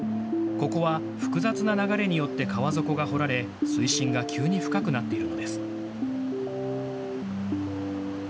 ここは複雑な流れによって川底が掘られ、水深が急に深くなっているのです。